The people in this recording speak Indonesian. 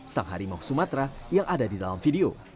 sang harimau sumatera yang ada di dalam video